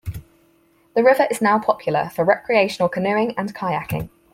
The river is now popular for recreational canoeing and kayaking.